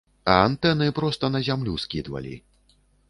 А антэны проста на зямлю скідвалі.